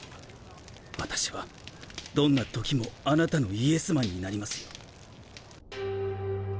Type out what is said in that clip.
私はどんなときもあなたのイエスマンになりますよ。